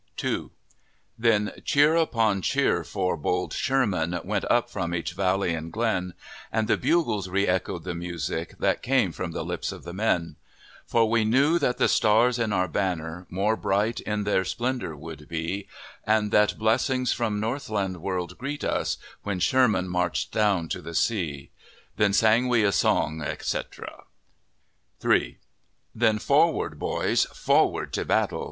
II Then cheer upon cheer for bold Sherman Went up from each valley and glen, And the bugles reechoed the music That came from the lips of the men; For we knew that the stars in our banner More bright in their splendor would be, And that blessings from Northland world greet us, When Sherman marched down to the sea! Then sang we a song, etc. III Then forward, boys! forward to battle!